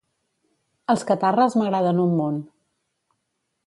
Els Catarres m'agraden un munt.